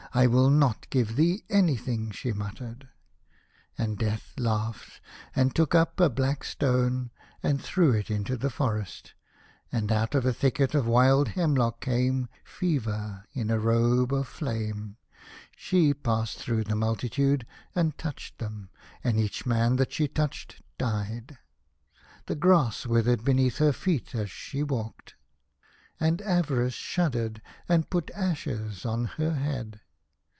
" I will not give thee anything," she muttered. And Death laughed, and took up a black stone, and threw it into the forest, and out of a thicket of wild hemlock came Fever in a robe of flame. She passed through the mul titude, and touched them, and each man that she touched died. The grass withered be neath her feet as she walked. And Avarice shuddered, and put ashes on her head.